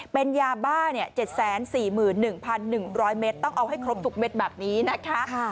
เป็นยาบ้า๗๔๑๑๐๐เมตรต้องเอาให้ครบทุกเม็ดแบบนี้นะคะ